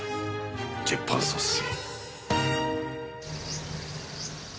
ジェパーサス。